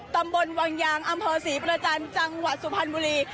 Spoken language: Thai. ตำบลวังยางอำเภอศรีประจันทร์จังหวัดสุพรรณบุรี